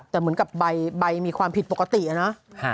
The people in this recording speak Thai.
แต่เหมือนกับใบมีความผิดปกตินะ